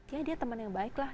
ya dia teman yang baiklah